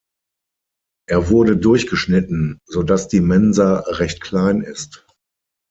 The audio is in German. Er wurde durchgeschnitten, so dass die Mensa recht klein ist.